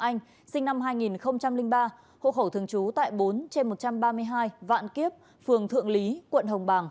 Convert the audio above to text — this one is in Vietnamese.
anh sinh năm hai nghìn ba hộ khẩu thường trú tại bốn trên một trăm ba mươi hai vạn kiếp phường thượng lý quận hồng bàng